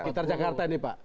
sekitar jakarta ini pak